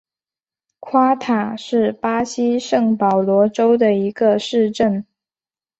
夸塔是巴西圣保罗州的一个市镇。